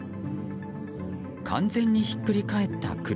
完全にひっくり返った車。